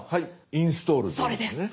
「インストール」でいいんですね？